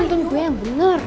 tunggu gue yang bener